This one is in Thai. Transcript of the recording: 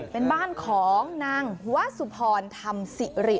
เป็นบ้านของนางวสุพรธรรมสิริ